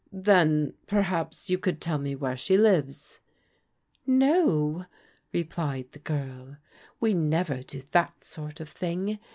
" Then, perhaps, you could tell me where she lives?" "No," replied the girl, "we never do that sort of thing.